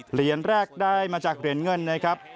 เหรียญแรกได้มาจากเหรียญเงินนะครับ